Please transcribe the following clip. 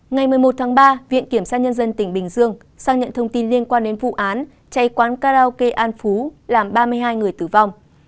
ngày một mươi một tháng ba viện kiểm sát nhân dân tỉnh bình dương xác nhận thông tin liên quan đến vụ án cháy quán karaoke an phú làm ba mươi hai người tử vong